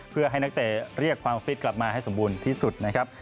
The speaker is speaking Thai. เพื่อให้นักเตะเรียกความฟิตกลับมาให้สมบูรณ์ที่สุดนะครับ